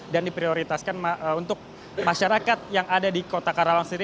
dan diprioritaskan untuk masyarakat yang ada di kota karawang sendiri